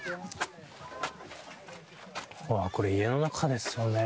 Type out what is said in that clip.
これ家の中ですよね。